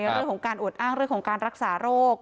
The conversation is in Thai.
เรื่องของการอวดอ้างเรื่องของการรักษาโรค